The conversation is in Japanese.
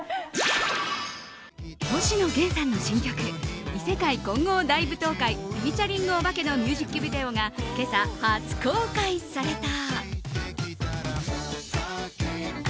星野源さんの新曲「異世界混合大舞踏会」のミュージックビデオが今朝、初公開された。